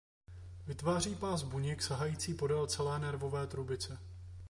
Vytváří pás buněk sahající podél celé nervové trubice.